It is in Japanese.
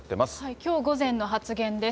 きょう午前の発言です。